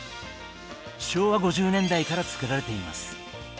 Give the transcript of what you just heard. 昭和５０年代から作られています。